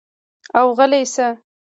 او غلے شۀ ـ